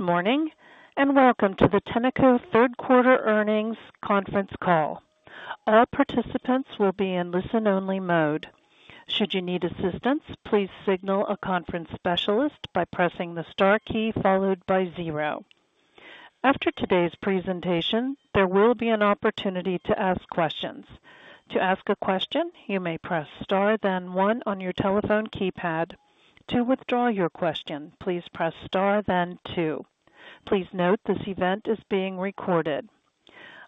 Good morning, and welcome to the Tenneco third quarter earnings conference call. All participants will be in listen-only mode. Should you need assistance, please signal a conference specialist by pressing the star key followed by zero. After today's presentation, there will be an opportunity to ask questions. To ask a question, you may press star then one on your telephone keypad. To withdraw your question, please press star then two. Please note this event is being recorded.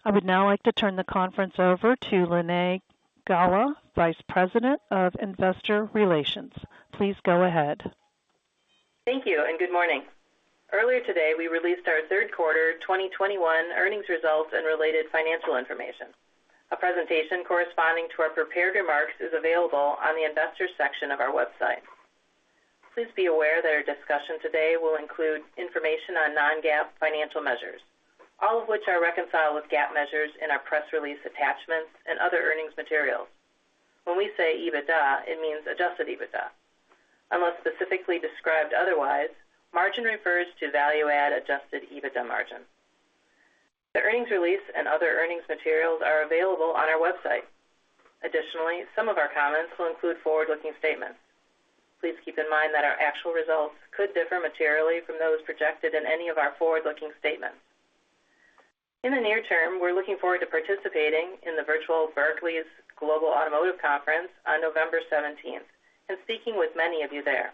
I would now like to turn the conference over to Linae Golla, Vice President of Investor Relations. Please go ahead. Thank you and good morning. Earlier today, we released our third quarter 2021 earnings results and related financial information. A presentation corresponding to our prepared remarks is available on the investors section of our website. Please be aware that our discussion today will include information on non-GAAP financial measures, all of which are reconciled with GAAP measures in our press release attachments and other earnings materials. When we say EBITDA, it means Adjusted EBITDA. Unless specifically described otherwise, margin refers to value-add Adjusted EBITDA margin. The earnings release and other earnings materials are available on our website. Additionally, some of our comments will include forward-looking statements. Please keep in mind that our actual results could differ materially from those projected in any of our forward-looking statements. In the near term, we're looking forward to participating in the virtual Barclays Global Automotive Conference on November seventeenth and speaking with many of you there.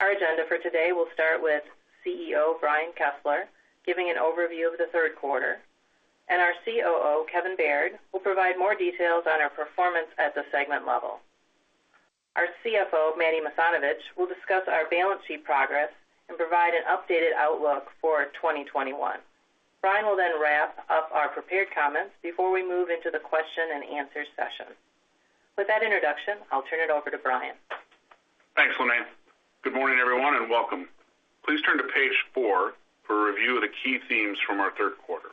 Our agenda for today will start with CEO Brian Kesseler giving an overview of the third quarter, and our COO, Kevin Baird, will provide more details on our performance at the segment level. Our CFO, Matti Masanovich, will discuss our balance sheet progress and provide an updated outlook for 2021. Brian will then wrap up our prepared comments before we move into the question and answer session. With that introduction, I'll turn it over to Brian. Thanks, Linae. Good morning, everyone, and welcome. Please turn to page 4 for a review of the key themes from our third quarter.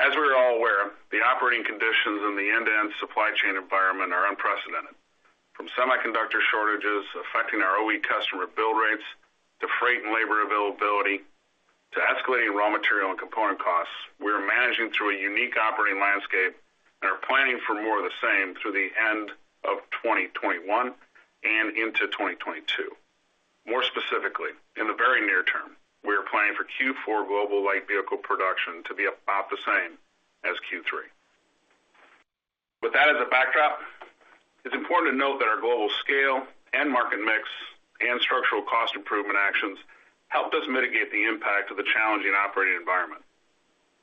As we're all aware, the operating conditions in the end-to-end supply chain environment are unprecedented. From semiconductor shortages affecting our OE customer build rates to freight and labor availability to escalating raw material and component costs, we are managing through a unique operating landscape and are planning for more of the same through the end of 2021 and into 2022. More specifically, in the very near term, we are planning for Q4 global light vehicle production to be about the same as Q3. With that as a backdrop, it's important to note that our global scale and market mix and structural cost improvement actions helped us mitigate the impact of the challenging operating environment.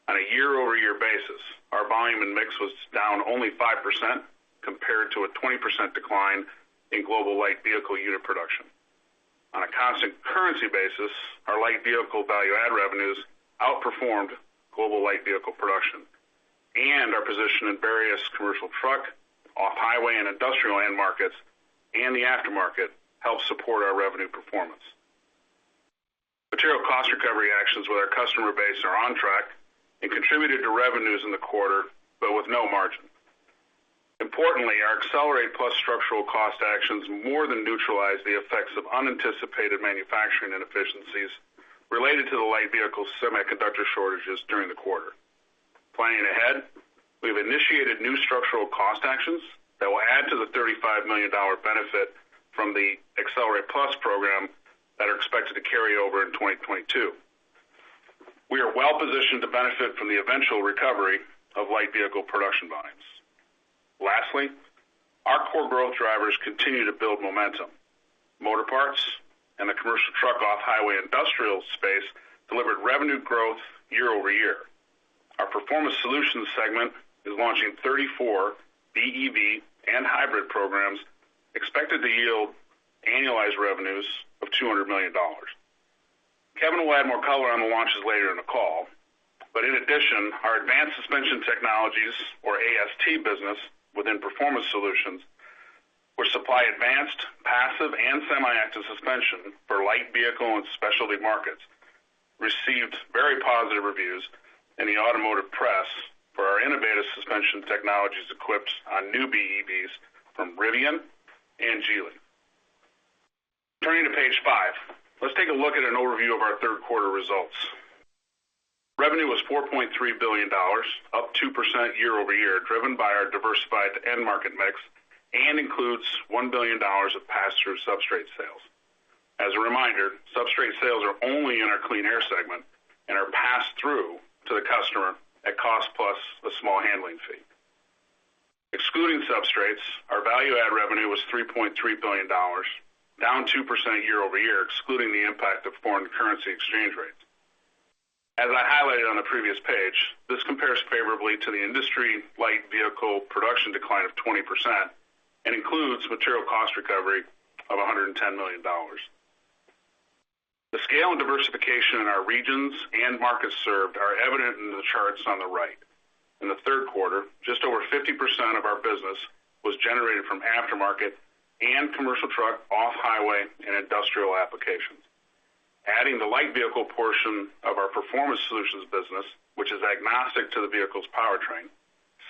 On a year-over-year basis, our volume and mix was down only 5% compared to a 20% decline in global light vehicle unit production. On a constant currency basis, our light vehicle value add revenues outperformed global light vehicle production and our position in various commercial truck, off-highway and industrial end markets and the aftermarket helped support our revenue performance. Material cost recovery actions with our customer base are on track and contributed to revenues in the quarter, but with no margin. Importantly, our Accelerate+ structural cost actions more than neutralized the effects of unanticipated manufacturing inefficiencies related to the light vehicle semiconductor shortages during the quarter. Planning ahead, we've initiated new structural cost actions that will add to the $35 million benefit from the Accelerate+ program that are expected to carry over in 2022. We are well-positioned to benefit from the eventual recovery of light vehicle production volumes. Lastly, our core growth drivers continue to build momentum. Motorparts and the commercial truck off-highway industrial space delivered revenue growth year-over-year. Our Performance Solutions segment is launching 34 BEV and hybrid programs expected to yield annualized revenues of $200 million. Kevin will add more color on the launches later in the call. In addition, our Advanced Suspension Technologies or AST business within Performance Solutions, which supply advanced passive and semi-active suspension for light vehicle and specialty markets, received very positive reviews in the automotive press for our innovative suspension technologies equipped on new BEVs from Rivian and Geely. Turning to page 5, let's take a look at an overview of our third quarter results. Revenue was $4.3 billion, up 2% year-over-year, driven by our diversified end market mix and includes $1 billion of pass-through substrate sales. As a reminder, substrate sales are only in our Clean Air segment and are passed through to the customer at cost plus a small handling fee. Excluding substrates, our value-add revenue was $3.3 billion, down 2% year-over-year, excluding the impact of foreign currency exchange rates. As I highlighted on the previous page, this compares favorably to the industry light vehicle production decline of 20% and includes material cost recovery of $110 million. The scale and diversification in our regions and markets served are evident in the charts on the right. In the third quarter, just over 50% of our business was generated from aftermarket and commercial truck off-highway and industrial applications. Adding the light vehicle portion of the Performance Solutions business, which is agnostic to the vehicle's powertrain.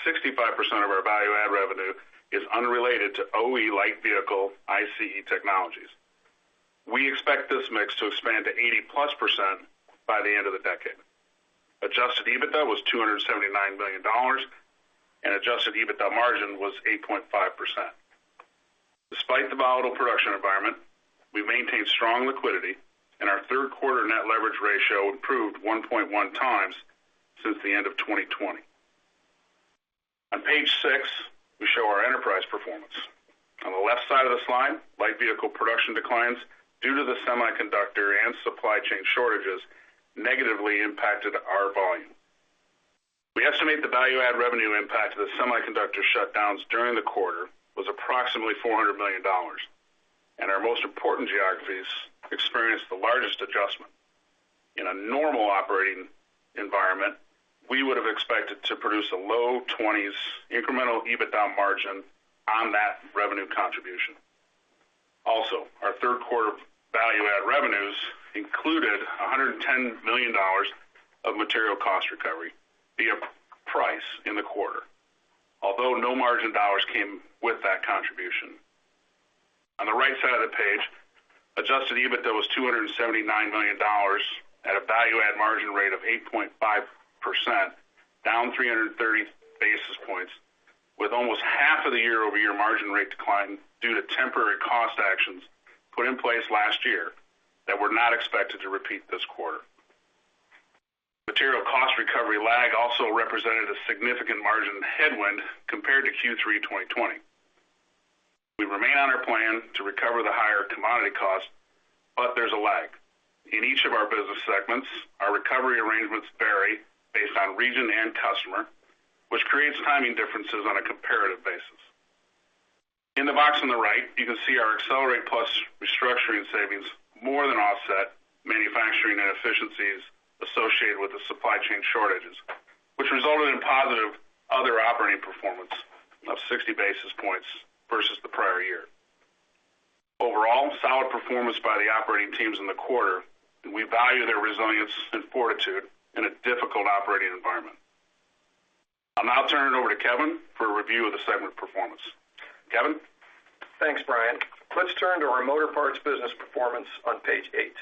65% of our value-add revenue is unrelated to OE light vehicle ICE technologies. We expect this mix to expand to 80%+ by the end of the decade. Adjusted EBITDA was $279 million, and Adjusted EBITDA margin was 8.5%. Despite the volatile production environment, we maintained strong liquidity and our third quarter net leverage ratio improved 1.1 times since the end of 2020. On page 6, we show our enterprise performance. On the left side of the slide, light vehicle production declines due to the semiconductor and supply chain shortages negatively impacted our volume. We estimate the value-add revenue impact of the semiconductor shutdowns during the quarter was approximately $400 million, and our most important geographies experienced the largest adjustment. In a normal operating environment, we would have expected to produce a low-20s% incremental EBITDA margin on that revenue contribution. Our third quarter value-add revenues included $110 million of material cost recovery via price in the quarter, although no margin dollars came with that contribution. On the right side of the page, Adjusted EBITDA was $279 million at a value-add margin rate of 8.5%, down 330 basis points, with almost half of the year-over-year margin rate decline due to temporary cost actions put in place last year that were not expected to repeat this quarter. Material cost recovery lag also represented a significant margin headwind compared to Q3 2020. We remain on our plan to recover the higher commodity cost, but there's a lag. In each of our business segments, our recovery arrangements vary based on region and customer, which creates timing differences on a comparative basis. In the box on the right, you can see our Accelerate+ restructuring savings more than offset manufacturing inefficiencies associated with the supply chain shortages, which resulted in positive other operating performance of 60 basis points versus the prior year. Overall, solid performance by the operating teams in the quarter, and we value their resilience and fortitude in a difficult operating environment. I'll now turn it over to Kevin for a review of the segment performance. Kevin? Thanks, Brian. Let's turn to our Motorparts business performance on page eight.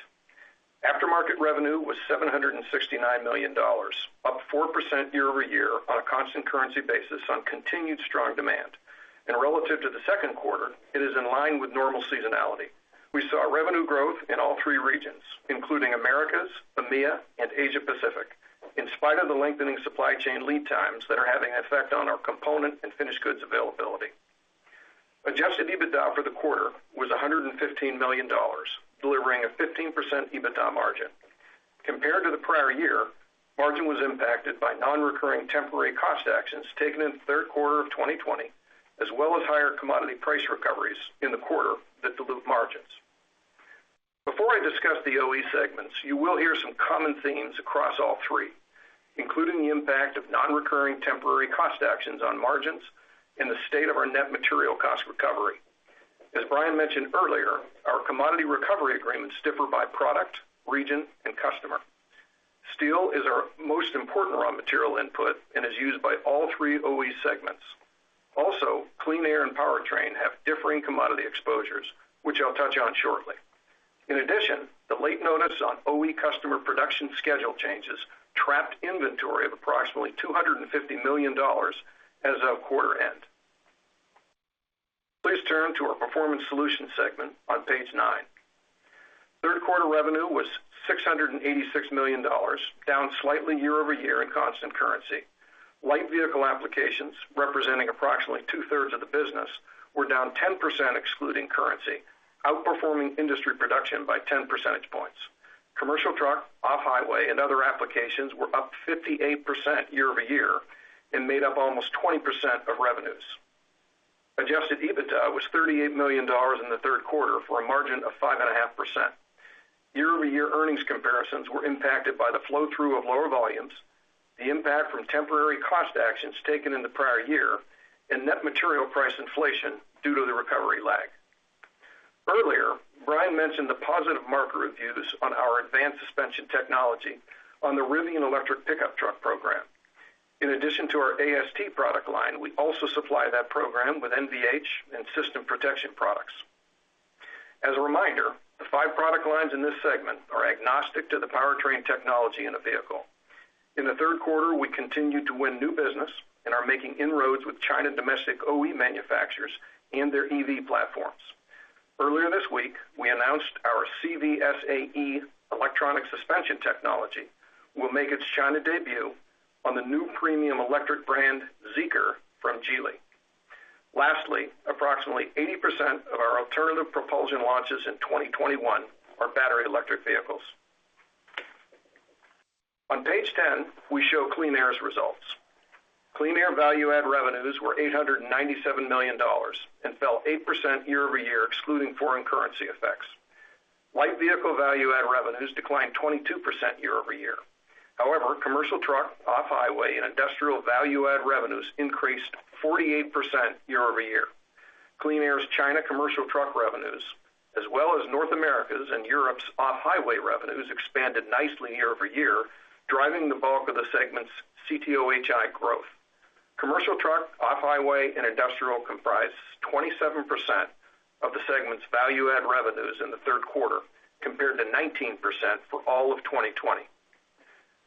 Aftermarket revenue was $769 million, up 4% year-over-year on a constant currency basis on continued strong demand. Relative to the second quarter, it is in line with normal seasonality. We saw revenue growth in all three regions, including Americas, EMEA, and Asia Pacific, in spite of the lengthening supply chain lead times that are having an effect on our component and finished goods availability. Adjusted EBITDA for the quarter was $115 million, delivering a 15% EBITDA margin. Compared to the prior year, margin was impacted by non-recurring temporary cost actions taken in the third quarter of 2020, as well as higher commodity price recoveries in the quarter that dilute margins. Before I discuss the OE segments, you will hear some common themes across all three, including the impact of non-recurring temporary cost actions on margins and the state of our net material cost recovery. As Brian mentioned earlier, our commodity recovery agreements differ by product, region, and customer. Steel is our most important raw material input and is used by all three OE segments. Also, Clean Air and Powertrain have differing commodity exposures, which I'll touch on shortly. In addition, the late notice on OE customer production schedule changes trapped inventory of approximately $250 million as of quarter end. Please turn to our Performance Solutions segment on page 9. Third quarter revenue was $686 million, down slightly year-over-year in constant currency. Light vehicle applications, representing approximately two-thirds of the business, were down 10% excluding currency, outperforming industry production by 10 percentage points. Commercial truck, off-highway, and other applications were up 58% year-over-year and made up almost 20% of revenues. Adjusted EBITDA was $38 million in the third quarter for a margin of 5.5%. Year-over-year earnings comparisons were impacted by the flow-through of lower volumes, the impact from temporary cost actions taken in the prior year, and net material price inflation due to the recovery lag. Earlier, Brian mentioned the positive market reviews on our Advanced Suspension Technologies on the Rivian electric pickup truck program. In addition to our AST product line, we also supply that program with NVH and system protection products. As a reminder, the five product lines in this segment are agnostic to the powertrain technology in the vehicle. In the third quarter, we continued to win new business and are making inroads with China domestic OE manufacturers and their EV platforms. Earlier this week, we announced our CVSAe electronic suspension technology will make its China debut on the new premium electric brand ZEEKR from Geely. Lastly, approximately 80% of our alternative propulsion launches in 2021 are battery electric vehicles. On page 10, we show Clean Air's results. Clean Air value-add revenues were $897 million and fell 8% year-over-year, excluding foreign currency effects. Light vehicle value-add revenues declined 22% year-over-year. However, commercial truck, off-highway, and industrial value-add revenues increased 48% year-over-year. Clean Air's China commercial truck revenues, as well as North America's and Europe's off-highway revenues expanded nicely year-over-year, driving the bulk of the segment's CTOHI growth. Commercial truck, off-highway, and industrial comprise 27% of the segment's value-add revenues in the third quarter, compared to 19% for all of 2020.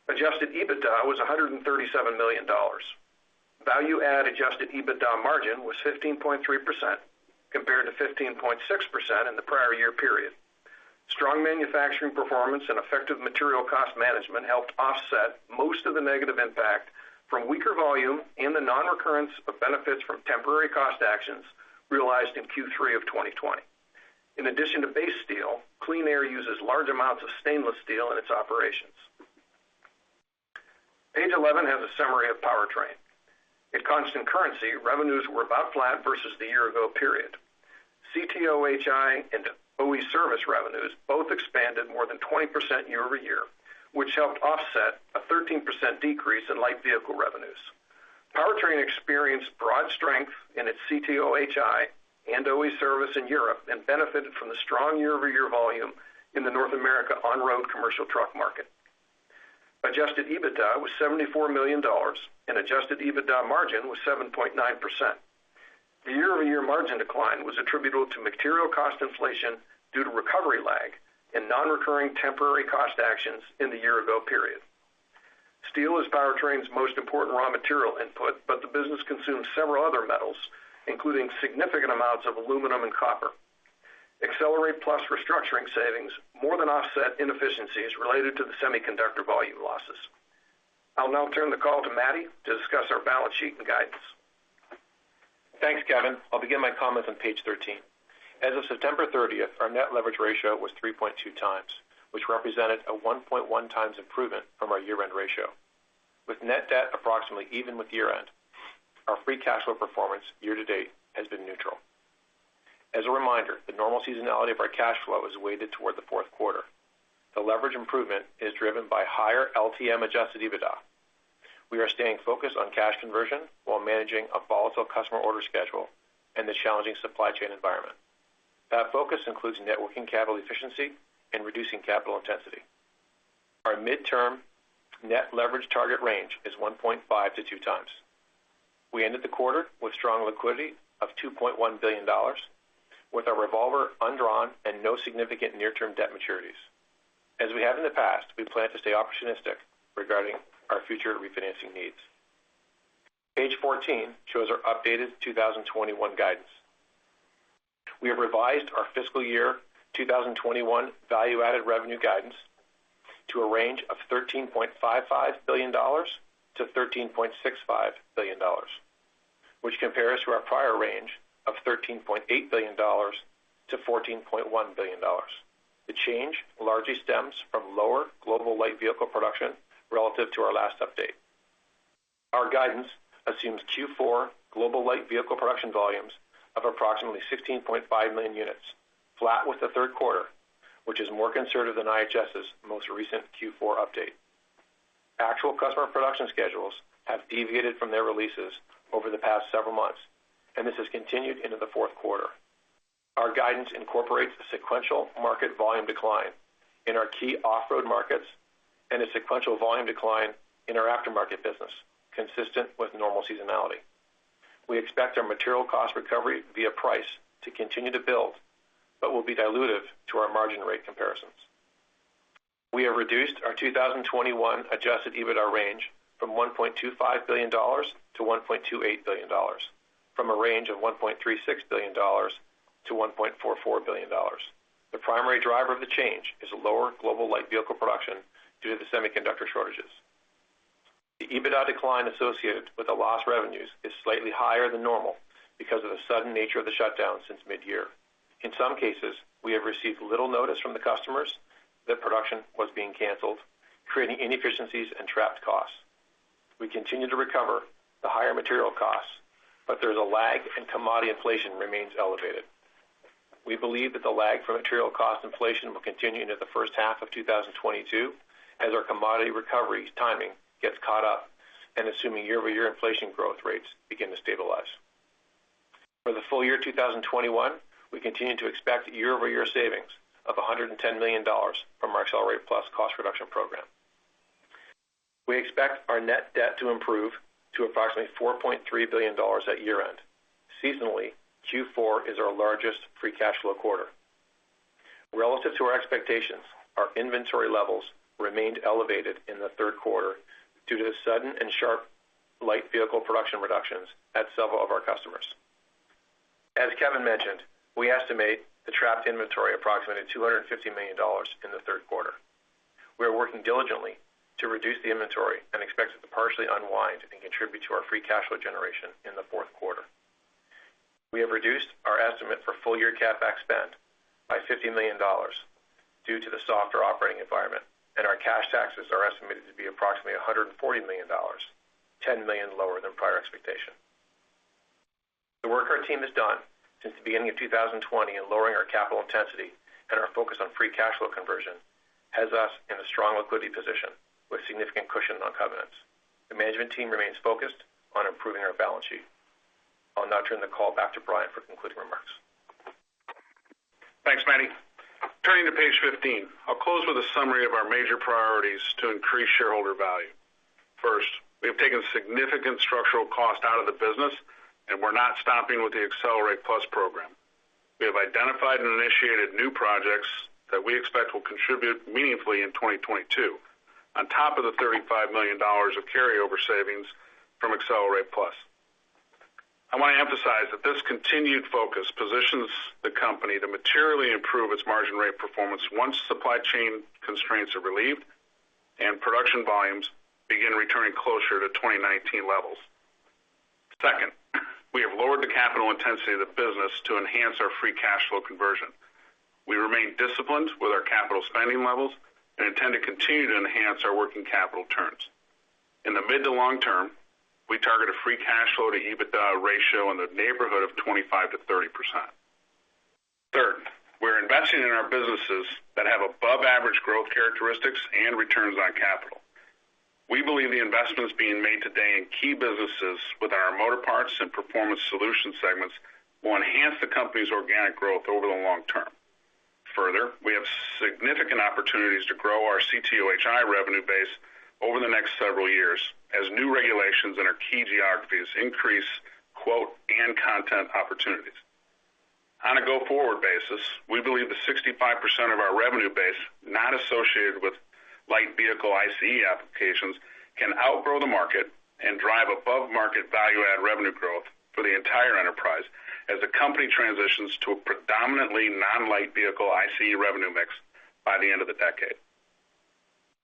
Adjusted EBITDA was $137 million. Value-add Adjusted EBITDA margin was 15.3% compared to 15.6% in the prior year period. Strong manufacturing performance and effective material cost management helped offset most of the negative impact from weaker volume and the non-recurrence of benefits from temporary cost actions realized in Q3 of 2020. In addition to base steel, Clean Air uses large amounts of stainless steel in its operations. Page 11 has a summary of Powertrain. In constant currency, revenues were about flat versus the year ago period. CTOHI and OE service revenues both expanded more than 20% year-over-year, which helped offset a 13% decrease in light vehicle revenues. Powertrain experienced broad strength in its CTOHI and OE service in Europe and benefited from the strong year-over-year volume in the North American on-road commercial truck market. Adjusted EBITDA was $74 million, and Adjusted EBITDA margin was 7.9%. The year-over-year margin decline was attributable to material cost inflation due to recovery lag and non-recurring temporary cost actions in the year ago period. Steel is Powertrain's most important raw material input, but the business consumes several other metals, including significant amounts of aluminum and copper. Accelerate+ restructuring savings more than offset inefficiencies related to the semiconductor volume losses. I'll now turn the call to Matti to discuss our balance sheet and guidance. Thanks, Kevin. I'll begin my comments on page 13. As of September 30th, our net leverage ratio was 3.2 times, which represented a 1.1 times improvement from our year-end ratio. With net debt approximately even with year-end, our free cash flow performance year-to-date has been neutral. As a reminder, the normal seasonality of our cash flow is weighted toward the fourth quarter. The leverage improvement is driven by higher LTM Adjusted EBITDA. We are staying focused on cash conversion while managing a volatile customer order schedule and the challenging supply chain environment. That focus includes net working capital efficiency and reducing capital intensity. Our mid-term net leverage target range is 1.5 times-2 times. We ended the quarter with strong liquidity of $2.1 billion, with our revolver undrawn and no significant near-term debt maturities. As we have in the past, we plan to stay opportunistic regarding our future refinancing needs. Page 14 shows our updated 2021 guidance. We have revised our fiscal year 2021 value-added revenue guidance to a range of $13.55 billion-$13.65 billion, which compares to our prior range of $13.8 billion-$14.1 billion. The change largely stems from lower global light vehicle production relative to our last update. Our guidance assumes Q4 global light vehicle production volumes of approximately 16.5 million units, flat with the third quarter, which is more conservative than IHS's most recent Q4 update. Actual customer production schedules have deviated from their releases over the past several months, and this has continued into the fourth quarter. Our guidance incorporates a sequential market volume decline in our key off-road markets and a sequential volume decline in our aftermarket business, consistent with normal seasonality. We expect our material cost recovery via price to continue to build, but will be dilutive to our margin rate comparisons. We have reduced our 2021 Adjusted EBITDA range to $1.25 billion-$1.28 billion from a range of $1.36 billion-$1.44 billion. The primary driver of the change is lower global light vehicle production due to the semiconductor shortages. The EBITDA decline associated with the lost revenues is slightly higher than normal because of the sudden nature of the shutdown since mid-year. In some cases, we have received little notice from the customers that production was being canceled, creating inefficiencies and trapped costs. We continue to recover the higher material costs, but there's a lag and commodity inflation remains elevated. We believe that the lag for material cost inflation will continue into the first half of 2022 as our commodity recovery timing gets caught up and assuming year-over-year inflation growth rates begin to stabilize. For the full year 2021, we continue to expect year-over-year savings of $110 million from our Accelerate+ cost reduction program. We expect our net debt to improve to approximately $4.3 billion at year-end. Seasonally, Q4 is our largest free cash flow quarter. Relative to our expectations, our inventory levels remained elevated in the third quarter due to the sudden and sharp light vehicle production reductions at several of our customers. As Kevin mentioned, we estimate the trapped inventory approximately $250 million in the third quarter. We are working diligently to reduce the inventory and expect it to partially unwind and contribute to our free cash flow generation in the fourth quarter. We have reduced our estimate for full-year CapEx spend by $50 million due to the softer operating environment, and our cash taxes are estimated to be approximately $140 million, $10 million lower than prior expectation. The work our team has done since the beginning of 2020 in lowering our capital intensity and our focus on free cash flow conversion has us in a strong liquidity position with significant cushion on covenants. The management team remains focused on improving our balance sheet. I'll now turn the call back to Brian for concluding remarks. Thanks, Matti. Turning to page 15, I'll close with a summary of our major priorities to increase shareholder value. First, we have taken significant structural cost out of the business, and we're not stopping with the Accelerate+ program. We have identified and initiated new projects that we expect will contribute meaningfully in 2022 on top of the $35 million of carryover savings from Accelerate+. I wanna emphasize that this continued focus positions the company to materially improve its margin rate performance once supply chain constraints are relieved and production volumes begin returning closer to 2019 levels. Second, we have lowered the capital intensity of the business to enhance our free cash flow conversion. We remain disciplined with our capital spending levels and intend to continue to enhance our working capital turns. In the mid- to long-term, we target a free cash flow to EBITDA ratio in the neighborhood of 25%-30%. Third, we're investing in our businesses that have above average growth characteristics and returns on capital. We believe the investments being made today in key businesses with our Motorparts and Performance Solutions segments will enhance the company's organic growth over the long term. Further, we have significant opportunities to grow our CTOHI revenue base over the next several years as new regulations in our key geographies increase quote and content opportunities. On a go-forward basis, we believe that 65% of our revenue base not associated with light vehicle ICE applications can outgrow the market and drive above market value add revenue growth for the entire enterprise as the company transitions to a predominantly non-light vehicle ICE revenue mix by the end of the decade.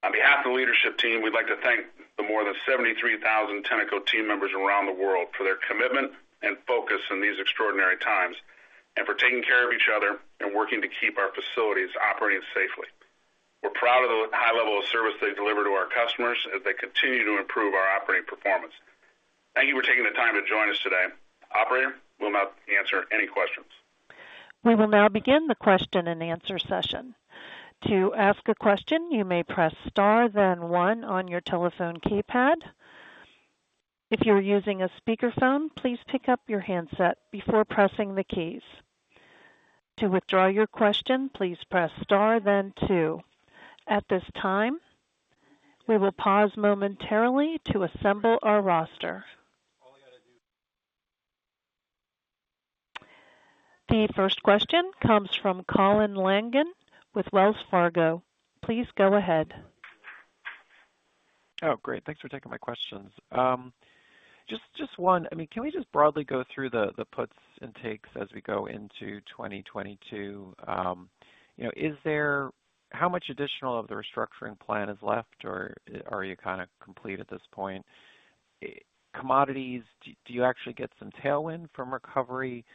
On behalf of the leadership team, we'd like to thank the more than 73,000 Tenneco team members around the world for their commitment and focus in these extraordinary times, and for taking care of each other and working to keep our facilities operating safely. We're proud of the high level of service they deliver to our customers as they continue to improve our operating performance. Thank you for taking the time to join us today. Operator, we'll now answer any questions. We will now begin the question-and-answer session. To ask a question, you may press star then one on your telephone keypad. If you're using a speakerphone, please pick up your handset before pressing the keys. To withdraw your question, please press star then two. At this time, we will pause momentarily to assemble our roster. The first question comes from Colin Langan with Wells Fargo. Please go ahead. Oh, great. Thanks for taking my questions. Just one. I mean, can we just broadly go through the puts and takes as we go into 2022? You know, how much additional of the restructuring plan is left, or are you kind of complete at this point? Commodities, do you actually get some tailwind from recovery,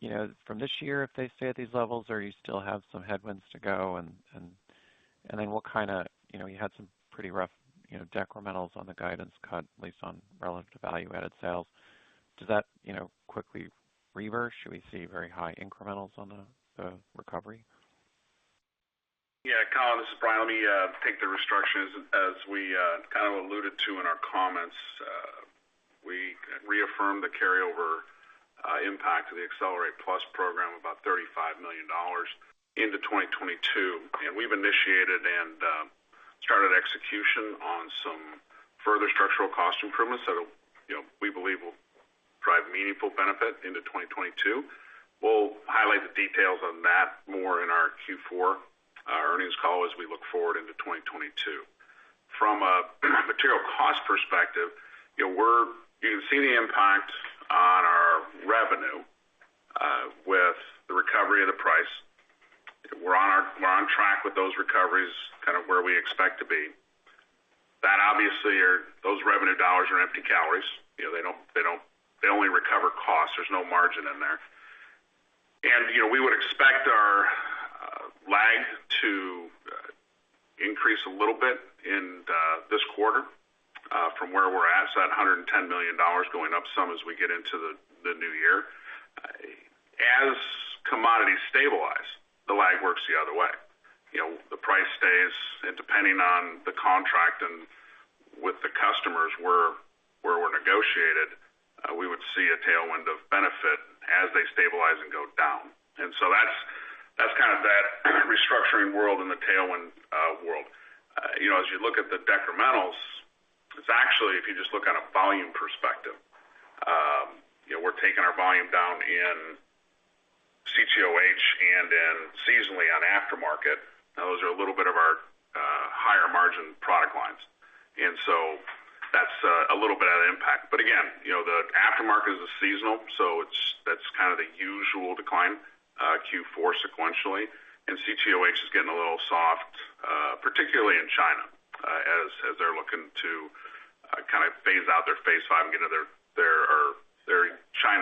you know, from this year if they stay at these levels, or you still have some headwinds to go? What kind of. You know, you had some pretty rough, you know, decrementals on the guidance cut, at least relative to value-added sales. Does that, you know, quickly reverse? Should we see very high incrementals on the recovery? Yeah. Colin, this is Brian. Let me take the restructuring. As we kind of alluded to in our comments, we reaffirmed the carryover impact of the Accelerate Plus program about $35 million into 2022. We've initiated and started execution on some further structural cost improvements that'll, you know, we believe will drive meaningful benefit into 2022. We'll highlight the details on that more in our Q4 earnings call as we look forward into 2022. From a material cost perspective, you know, you can see the impact on our revenue with the recovery of the price. We're on track with those recoveries kind of where we expect to be. Those revenue dollars are empty calories. You know, they only recover costs. There's no margin in there. You know, we would expect our lag to increase a little bit in this quarter from where we're at, so that $110 million going up some as we get into the new year. As commodities stabilize, the lag works the other way. You know, the price stays, and depending on the contract and with the customers where we're negotiated, we would see a tailwind of benefit as they stabilize and go down. That's kind of that restructuring world and the tailwind world. You know, as you look at the decrementals, it's actually, if you just look on a volume perspective, you know, we're taking our volume down in CTOH and seasonally on aftermarket. Now those are a little bit of our higher margin product lines. That's a little bit of impact. Again, you know, the aftermarket is a seasonal, so it's that's kind of the usual decline Q4 sequentially. CTOH is getting a little soft, particularly in China, as they're looking to kind of phase out their China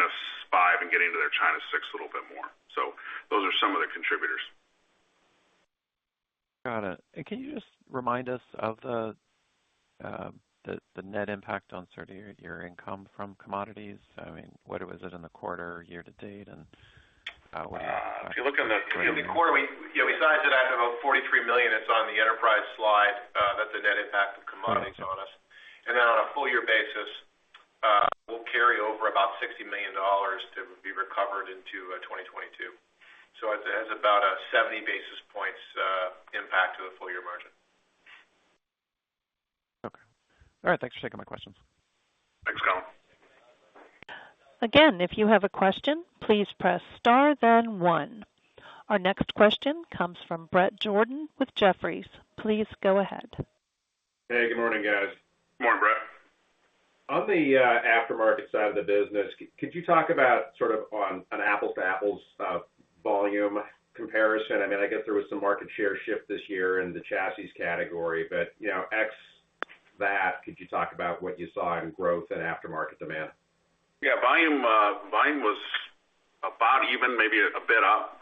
V and get into their China VI a little bit more. Those are some of the contributors. Got it. Can you just remind us of the net impact on sort of your income from commodities? I mean, what was it in the quarter year to date, and if you look in the- In the quarter, we sized it at about $43 million. It's on the enterprise slide, that's a net impact of commodities on us. On a full year basis, we'll carry over about $60 million to be recovered into 2022. It has about a 70 basis points impact to the full year margin. Okay. All right, thanks for taking my questions. Thanks, Colin. Again, if you have a question, please press star then one. Our next question comes from Bret Jordan with Jefferies. Please go ahead. Hey, good morning, guys. Morning, Bret. On the aftermarket side of the business, could you talk about sort of on an apples-to-apples volume comparison? I mean, I guess there was some market share shift this year in the chassis category, but you know, ex that, could you talk about what you saw in growth and aftermarket demand? Yeah, volume was about even, maybe a bit up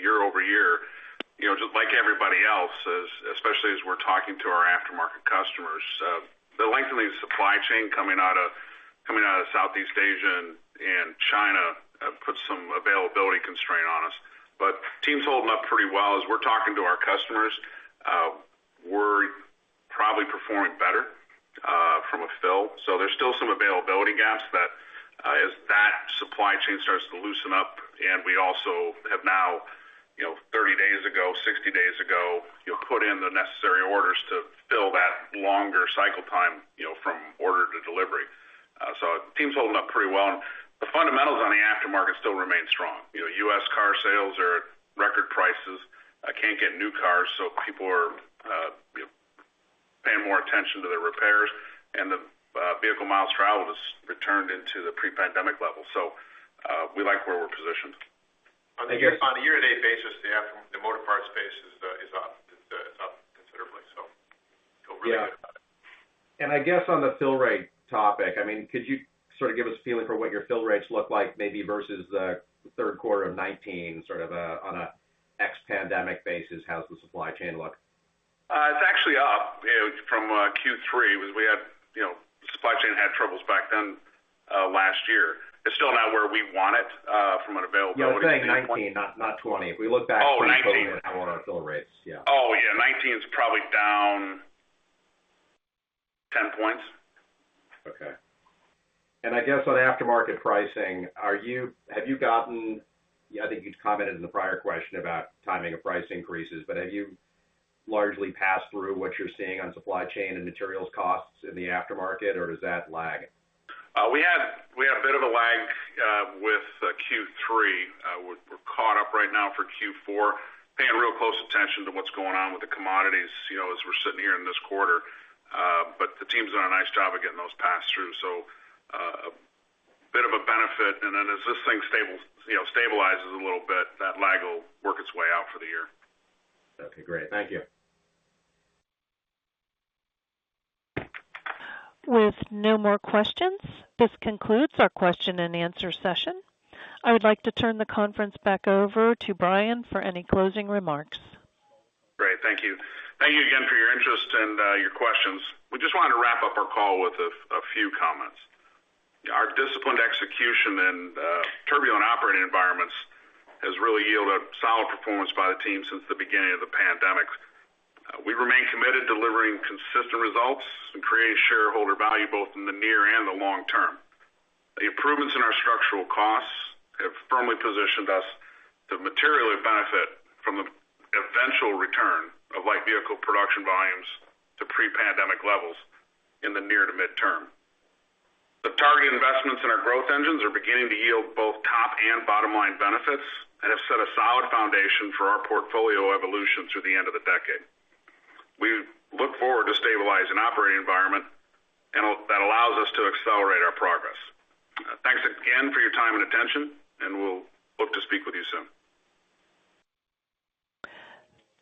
year-over-year. You know, just like everybody else, especially as we're talking to our aftermarket customers, the lengthening supply chain coming out of Southeast Asia and China put some availability constraint on us. Team's holding up pretty well. As we're talking to our customers, we're probably performing better from a fill. There's still some availability gaps that as that supply chain starts to loosen up, and we also have now, you know, 30 days ago, 60 days ago, you'll put in the necessary orders to fill that longer cycle time, you know, from order to delivery. Team's holding up pretty well. The fundamentals on the aftermarket still remain strong. You know, U.S. car sales are at record prices. I can't get new cars, so people are, you know, paying more attention to their repairs. The vehicle miles traveled has returned into the pre-pandemic level. We like where we're positioned. On a year-to-date basis, the Motorparts space is up considerably, so. Yeah. Feel really good about it. I guess on the fill rate topic, I mean, could you sort of give us a feeling for what your fill rates look like maybe versus the third quarter of 2019, sort of on a ex-pandemic basis, how's the supply chain look? It's actually up, you know, from Q3 because we had, you know, supply chain had troubles back then last year. It's still not where we want it from an availability standpoint. Yeah, I was saying 19, not 20. If we look back pre-COVID and how are our fill rates? Yeah. Oh, yeah, 2019's probably down 10 points. Okay. I guess on aftermarket pricing, have you gotten? I think you'd commented in the prior question about timing of price increases, but have you largely passed through what you're seeing on supply chain and materials costs in the aftermarket, or does that lag? We had a bit of a lag with Q3. We're caught up right now for Q4, paying real close attention to what's going on with the commodities, you know, as we're sitting here in this quarter. The team's done a nice job of getting those passed through. A bit of a benefit. As this thing stabilizes a little bit, that lag will work its way out for the year. Okay, great. Thank you. With no more questions, this concludes our question and answer session. I would like to turn the conference back over to Brian for any closing remarks. Great. Thank you. Thank you again for your interest and your questions. We just wanted to wrap up our call with a few comments. Our disciplined execution in turbulent operating environments has really yielded a solid performance by the team since the beginning of the pandemic. We remain committed to delivering consistent results and creating shareholder value both in the near and the long term. The improvements in our structural costs have firmly positioned us to materially benefit from the eventual return of light vehicle production volumes to pre-pandemic levels in the near to mid-term. The target investments in our growth engines are beginning to yield both top and bottom line benefits and have set a solid foundation for our portfolio evolution through the end of the decade. We look forward to a stabilizing operating environment that allows us to accelerate our progress. Thanks again for your time and attention, and we'll look to speak with you soon.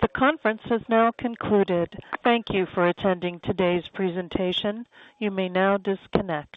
The conference has now concluded. Thank you for attending today's presentation. You may now disconnect.